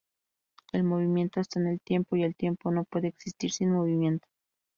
El movimiento está en el tiempo y el tiempo no puede existir sin movimiento.